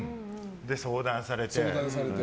相談されて。